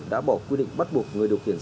đã bỏ quy định bắt buộc người điều khiển